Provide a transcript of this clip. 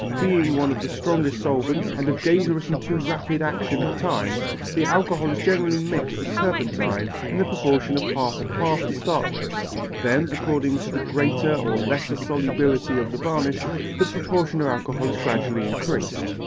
Being one of the strongest solvents and of dangerous and too rapid action at times, the alcohol is generally mixed with turpentine to the proportion of half and half to start with. Then, according to the greater or lesser solubility of the varnish, the proportion of alcohol is gradually increased.